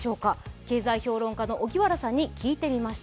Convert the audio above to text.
経済評論家の荻原さんに聞いてみました。